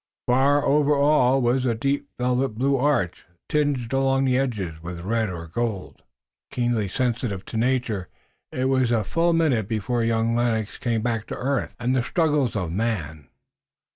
Far over all was a deep velvet blue arch, tinged along the edges with red or gold. Keenly sensitive to nature, it was a full minute before young Lennox came back to earth, and the struggles of men.